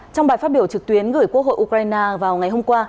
trong bài phát biểu trực tuyến gửi quốc hội ukraine vào ngày hôm qua